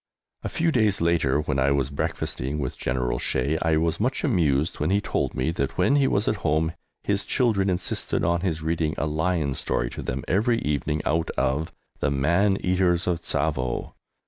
A few days later, when I was breakfasting with General Shea, I was much amused when he told me that when he was at home his children insisted on his reading a lion story to them every evening out of "The Man Eaters of Tsavo"!